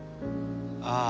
ああ。